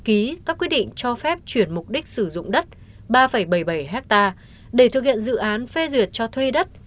ký các quyết định cho phép chuyển mục đích sử dụng đất ba bảy mươi bảy ha để thực hiện dự án phê duyệt cho thuê đất